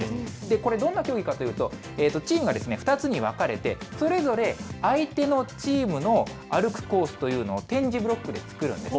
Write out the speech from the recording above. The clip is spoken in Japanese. これ、どんな競技かというと、チームが２つに分かれて、それぞれ相手のチームの歩くコースというのを点字ブロックで作るんです。